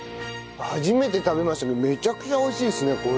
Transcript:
初めて食べましたけどめちゃくちゃ美味しいですねこれ。